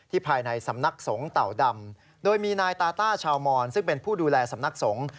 ภายในสำนักสงฆ์เต่าดำโดยมีนายตาต้าชาวมอนซึ่งเป็นผู้ดูแลสำนักสงฆ์